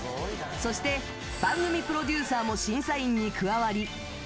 そして番組プロデューサーも審査員に加わり。